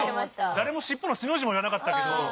誰も尻尾の「し」の字も言わなかったけど。